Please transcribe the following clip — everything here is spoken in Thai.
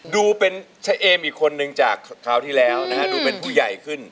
ดูเป็นชะเอมอีกคนนึงจากคราวที่แล้วนะฮะดูเป็นผู้ใหญ่ขึ้น